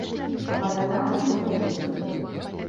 А пажадана і далёкіх.